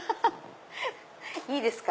いいですか？